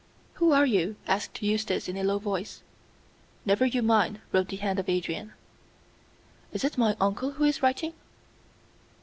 "Who are you?" asked Eustace, in a low voice. "Never you mind," wrote the hand of Adrian. "Is it my uncle who is writing?"